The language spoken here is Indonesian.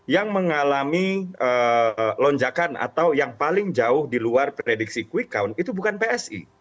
yang mengalami lonjakan atau yang paling jauh di luar prediksi quick count itu bukan psi